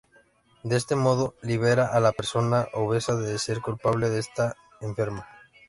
De este modo, libera a la persona obesa de ser culpable de estar enferma.